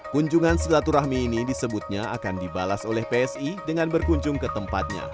kunjungan silaturahmi ini disebutnya akan dibalas oleh psi dengan berkunjung ke tempatnya